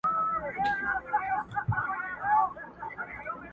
نه به سور وي په محفل کي نه مطرب نه به غزل وي،